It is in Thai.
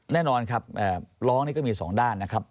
แน่นอนครับร้องนี่ก็มีสองด้านนะครับ